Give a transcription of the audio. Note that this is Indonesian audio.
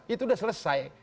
itu udah selesai